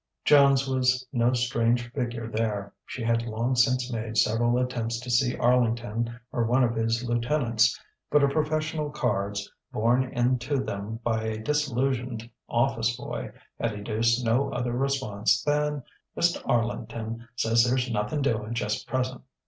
Joan's was no strange figure there. She had long since made several attempts to see Arlington or one of his lieutenants; but her professional cards, borne in to them by a disillusioned office boy, had educed no other response than "Mist' Arlington says they's nothin' doin' just' present."